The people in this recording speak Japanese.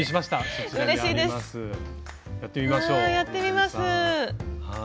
やってみます。